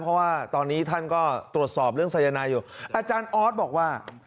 เพราะว่าตอนนี้ท่านก็ตรวจสอบเรื่องสายนายอยู่อาจารย์ออสบอกว่า